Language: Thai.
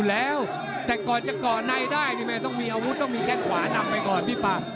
แต่ก่อนจะก่อในได้ต้องมีอาวุธต้องมีแค่ขวานำไปก่อนพี่ป๊า